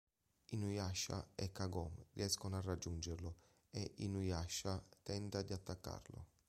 Inuyasha e Kagome riescono a raggiungerlo, e Inuyasha tenta di attaccarlo.